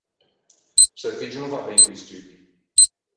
Seu figgio o no va ben co-i studdi.